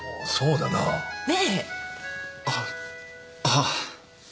あっはあ。